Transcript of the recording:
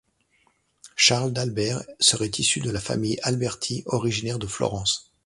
Charles d'Albert serait issu de la famille Alberti, originaire de Florence.